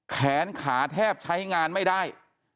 แขนขาแทบใช้งานไม่ได้